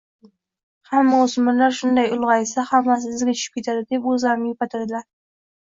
“hamma o‘smirlar shunday, ulg‘aysa hammasi iziga tushib ketadi”, deb o‘zlarini yupatadilar.